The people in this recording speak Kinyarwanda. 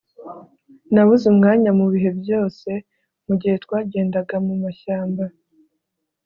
nabuze umwanya mubihe byose mugihe twagendaga mumashyamba